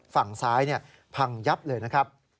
ฝั่งซ้ายพังยับเลยนะครับ